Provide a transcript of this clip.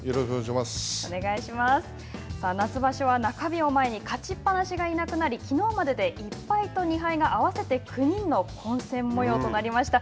夏場所は中日を前に勝ちっぱなしがいなくなりきのうまでで１敗と２敗が合わせて９人の混戦模様となりました。